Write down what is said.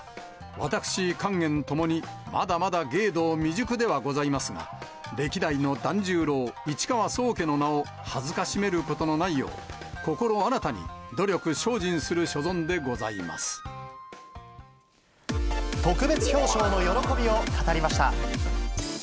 私、勸玄共に、まだまだ芸道未熟ではございますが、歴代の團十郎、市川宗家の名を辱めることのないよう、心新たに、努力精進する所特別表彰の喜びを語りました。